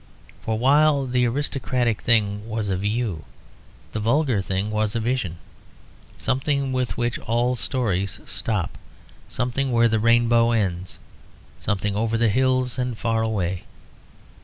For while the aristocratic thing was a view, the vulgar thing was a vision; something with which all stories stop, something where the rainbow ends, something over the hills and far away.